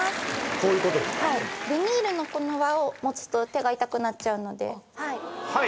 こういうことよねはいビニールのこの輪を持つと手が痛くなっちゃうのではい